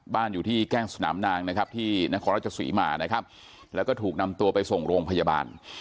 บ้านอยู่ที่แก้งสนามนางนะครับที่นครราชศรีมานะครับแล้วก็ถูกนำตัวไปส่งโรงพยาบาล